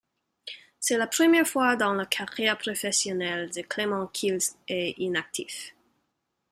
C'est la première fois dans la carrière professionnelle de Clement qu'il est inactif.